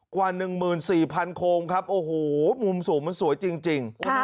กว่า๑๔๐๐โคมครับโอ้โหมุมสูงมันสวยจริง